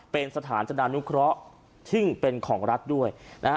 เป็นสถานจนานุเคราะห์ซึ่งเป็นของรัฐด้วยนะฮะ